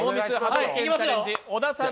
小田さん